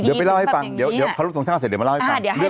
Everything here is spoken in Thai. เดี๋ยวไปเล่าให้ฟังเดี๋ยวเคารพทรงชาติเสร็จเดี๋ยวมาเล่าให้ฟัง